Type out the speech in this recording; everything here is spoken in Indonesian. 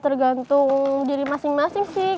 tergantung diri masing masing sih